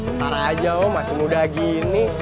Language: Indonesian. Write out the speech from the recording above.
ntar aja om masih muda gini